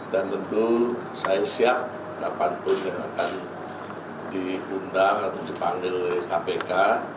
dan tentu saya siap kapanpun yang akan dikundang atau dipanggil oleh kpk